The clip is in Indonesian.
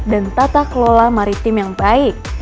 dan tata kelola maritim yang baik